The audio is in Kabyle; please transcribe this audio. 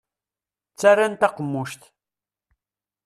Ttarran taqemmuct.